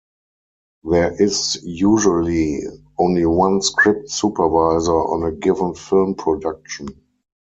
There is usually only one script supervisor on a given film production.